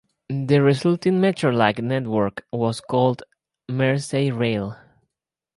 The resulting metro-like network was called Merseyrail.